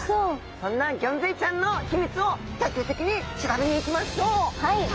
そんなギョンズイちゃんの秘密を徹底的に調べに行きましょう。